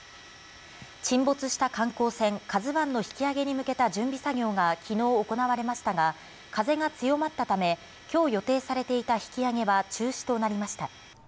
沈没した観光船「ＫＡＺＵ１」の引き揚げに向けた準備作業が昨日行われましたが、風が強まったため今日予定されていた引き揚げは中止となりました。